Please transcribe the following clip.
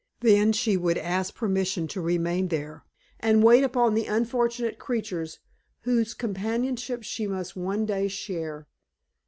Then she would ask permission to remain there, and wait upon the unfortunate creatures whose companionship she must one day share.